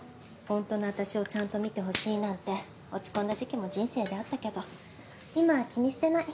ほんとの私をちゃんと見てほしいなんて落ち込んだ時期も人生であったけど今は気にしてない。